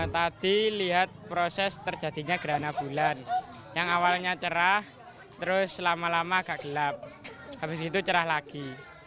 tadi lihat proses terjadinya gerhana bulan yang awalnya cerah terus lama lama agak gelap habis itu cerah lagi